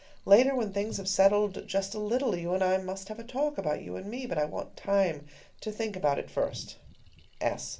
Later, when things have settled just a little, you and I must have a talk about you and me, but I want time to think about it first.